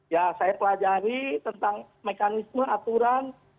ya saya pelajari tentang mekanisme aturan